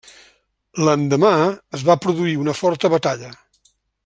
L'endemà es va produir una forta batalla.